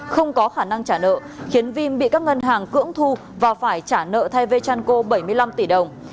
không có khả năng trả nợ khiến vim bị các ngân hàng cưỡng thu và phải trả nợ thay ventranco bảy mươi năm tỷ đồng